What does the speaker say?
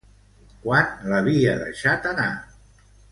Quan l'havia deixat anar?